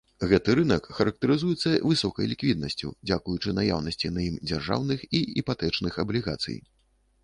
Гэты рынак характарызуецца высокай ліквіднасцю дзякуючы наяўнасці на ім дзяржаўных і іпатэчных аблігацый.